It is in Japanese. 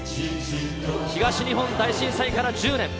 東日本大震災から１０年。